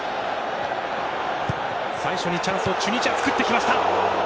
最初にチャンスをチュニジアが作ってきました。